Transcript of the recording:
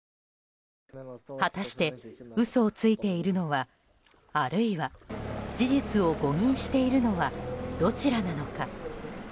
果たして、嘘をついているのはあるいは事実を誤認しているのはどちらなのか。